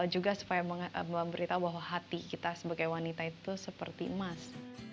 juga supaya memberitahu bahwa hati kita sebagai wanita itu seperti emas